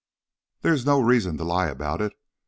"There is no reason to lie about it.